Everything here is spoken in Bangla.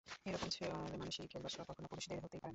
এ রকম ছেলেমানুষি খেলবার শখ কখনো পুরুষদের হতেই পারে না।